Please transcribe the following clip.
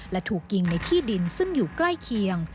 และถูกยิงในที่ดินซึ่งอยู่ใกล้เคียง